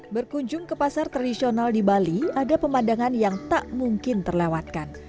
berkunjung ke pasar tradisional di bali ada pemandangan yang tak mungkin terlewatkan